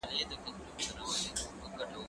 زه پرون ليکنه کوم؟